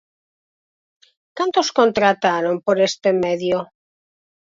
¿Cantos contrataron por este medio?